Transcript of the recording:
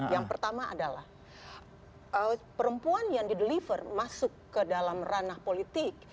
yang pertama adalah perempuan yang dideliver masuk ke dalam ranah politik